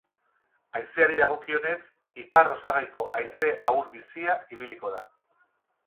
Haizeari dagokionez, ipar-osagaiko haize ahul-bizia ibiliko da.